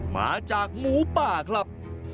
มาจากหมูป่าครับ